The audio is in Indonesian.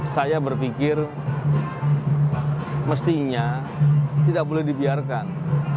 saya berpikir mestinya tidak boleh dibiarkan